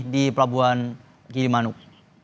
di pelabuhan gili manuk